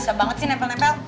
susah banget sih nempel nempel